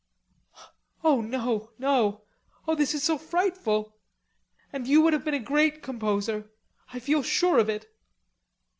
"Oh, no, no. Oh, this is so frightful. And you would have been a great composer. I feel sure of it."